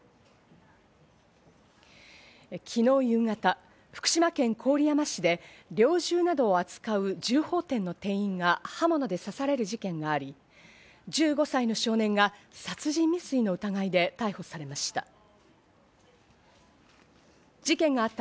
昨日夕方、福島県郡山市で猟銃などを扱う銃砲店の店員が刃物で刺される事件があり、１５歳の少年が殺人未遂の疑いで逮捕されました。